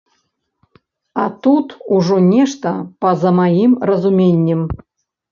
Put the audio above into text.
А тут ужо нешта па-за маім разуменнем.